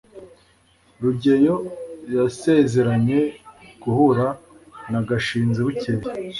rugeyo yasezeranye guhura na gashinzi bukeye